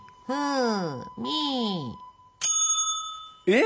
えっ？